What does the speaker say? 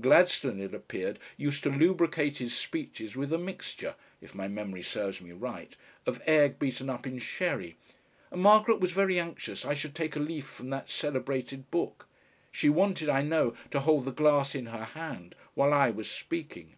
Gladstone it appeared used to lubricate his speeches with a mixture if my memory serves me right of egg beaten up in sherry, and Margaret was very anxious I should take a leaf from that celebrated book. She wanted, I know, to hold the glass in her hand while I was speaking.